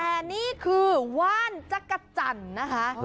แต่นี่คือว่านจักรจันทร์นะคะ